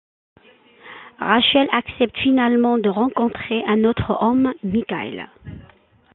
Rachel accepte finalement de rencontrer un autre homme, Michael.